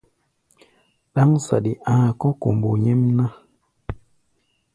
Ɗáŋ saɗi a̧a̧ kɔ̧́ kombo nyɛ́mná.